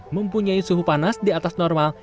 mempunyai suhu panas di atas normal